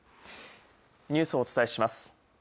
ニュースお伝えします。